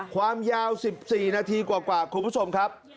ความยาว๑๔นาทีกว่าคุณผู้ชมครับ